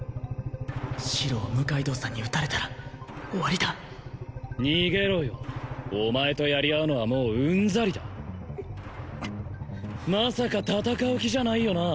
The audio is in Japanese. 白を六階堂さんに撃たれたら終わりだ逃げろよお前とやり合うのはもううんざりだまさか戦う気じゃないよな？